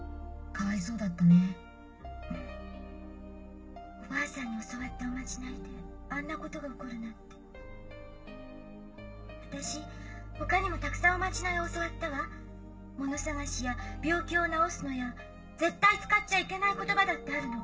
・かわいそうだったね・・おばあさんに教わったおまじないであんなことが起こるなんて・・私他にもたくさんおまじないを教わったわ・・もの探しや病気を治すのや絶対使っちゃいけない言葉だってあるの・・